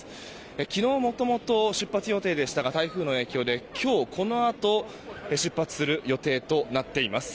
昨日、もともと出発予定でしたが台風の影響で今日、このあと出発する予定となっています。